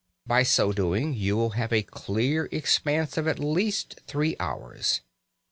By so doing you will have a clear expanse of at least three hours.